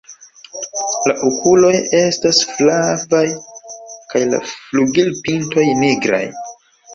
La okuloj estas flavaj kaj la flugilpintoj nigraj.